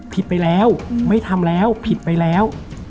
ผิดไปแล้วไม่ทำแล้วผิดไปแล้ว